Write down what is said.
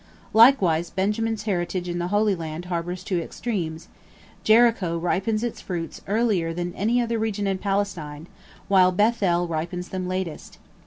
Likewise Benjamin's heritage in the Holy Land harbors two extremes: Jericho ripens its fruits earlier than any other region in Palestine, while Beth el ripens them latest.